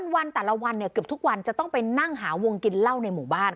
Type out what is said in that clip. วันแต่ละวันเนี่ยเกือบทุกวันจะต้องไปนั่งหาวงกินเหล้าในหมู่บ้าน